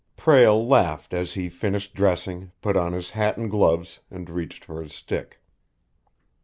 Prale laughed as he finished dressing, put on his hat and gloves, and reached for his stick.